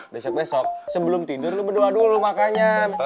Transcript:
besok besok sebelum tidur lu berdoa dulu makanya